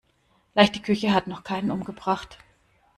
Leichte Küche hat noch keinen umgebracht.